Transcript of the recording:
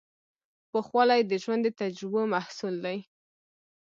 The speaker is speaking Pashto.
پوخوالی د ژوند د تجربو محصول دی.